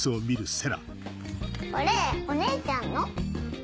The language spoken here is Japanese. これお姉ちゃんの？